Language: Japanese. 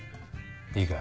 いいか？